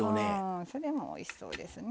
あそれもおいしそうですね。